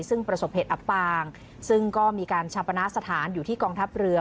ซึ่งประสบเหตุอับปางซึ่งก็มีการชาปนาสถานอยู่ที่กองทัพเรือ